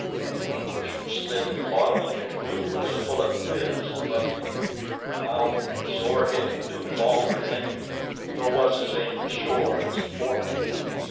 The Englishman slid to the bottom of the canoe as a bullet whizzed above him. Malbihn, sore hit, took longer in aiming, nor was his aim as sure as formerly.